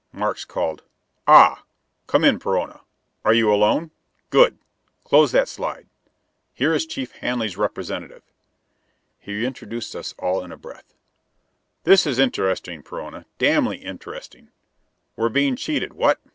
Markes called, "Ah, come in Perona! Are you alone? Good! Close that slide. Here is Chief Hanley's representative." He introduced us all in a breath. "This is interesting, Perona. Damnably interesting. We're being cheated, what?